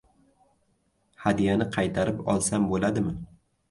Hadyani qaytarib olsam bo`ladimi?